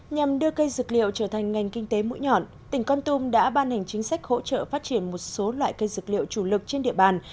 nhằm đưa cây dược liệu trở thành ngành kinh tế mũi nhọn tỉnh con tum đã ban hành chính sách hỗ trợ phát triển một số loại cây dược liệu chủ lực trên địa bàn